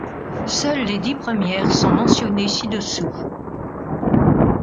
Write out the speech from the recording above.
Seules les dix premières sont mentionnées ci-dessous.